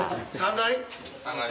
３階？